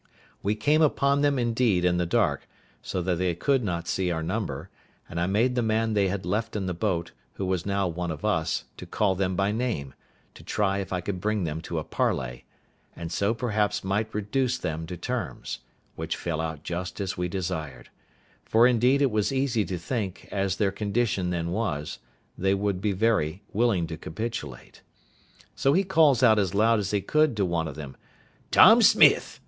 We came upon them, indeed, in the dark, so that they could not see our number; and I made the man they had left in the boat, who was now one of us, to call them by name, to try if I could bring them to a parley, and so perhaps might reduce them to terms; which fell out just as we desired: for indeed it was easy to think, as their condition then was, they would be very willing to capitulate. So he calls out as loud as he could to one of them, "Tom Smith!